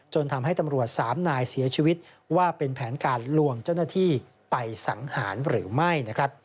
ทำให้ตำรวจสามนายเสียชีวิตว่าเป็นแผนการลวงเจ้าหน้าที่ไปสังหารหรือไม่